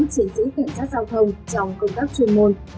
chiến sĩ cảnh sát giao thông trong công tác chuyên môn